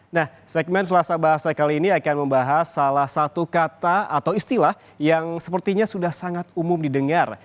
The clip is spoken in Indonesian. nah segmen selasa bahasa kali ini akan membahas salah satu kata atau istilah yang sepertinya sudah sangat umum didengar